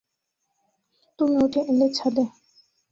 –তুমি উঠে এলে ছাদে।